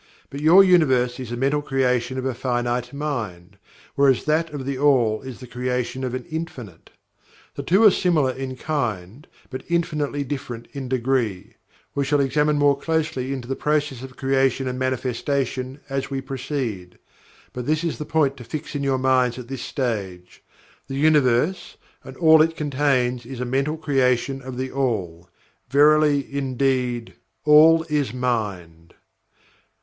But your Universe is the mental creation of a Finite Mind, whereas that of THE ALL is the creation of an Infinite. The two are similar in kind, but infinitely different in degree. We shall examine more closely into the process of creation and manifestation as we proceed. But this is the point to fix in your minds at this stage: THE UNIVERSE, AND ALL IT CONTAINS, IS A MENTAL CREATION OF THE ALL. Verily indeed, ALL IS MIND!